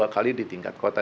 dua kali di tingkat kota